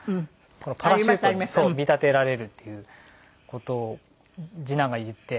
このパラシュートに見立てられるっていう事を次男が言って。